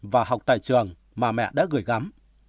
và học tại trường mà mẹ đã gửi gắm